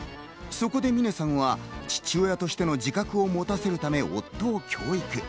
そこで峰さんは父親としての自覚を持たせるため、夫を教育。